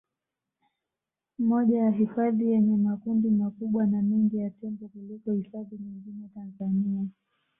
Moja ya hifadhi yenye makundi makubwa na mengi ya Tembo kuliko hifadhi nyingine Tanzania